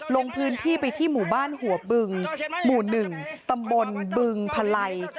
ลงพื้นที่ไปที่หมู่บ้านหัวบึงหมู่๑ตำบลบึงพลัย